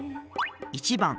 １番